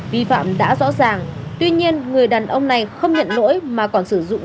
vi phạm đã rõ ràng tuy nhiên người đàn ông này không nhận lỗi mà còn sử dụng